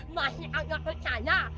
masih agak percaya